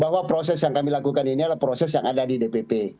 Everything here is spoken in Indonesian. bahwa proses yang kami lakukan ini adalah proses yang ada di dpp